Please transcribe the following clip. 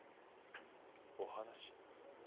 お話？